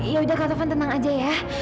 yaudah kak tovan tenang saja ya